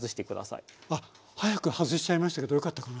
あっ早く外しちゃいましたけどよかったかな？